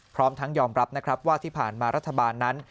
พร้อมทั้งยอมรับนะครับว่าที่ผ่านมารัฐบาลนั้น